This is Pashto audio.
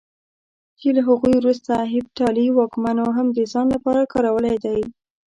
چې له هغوی وروسته هېپتالي واکمنو هم د ځان لپاره کارولی دی.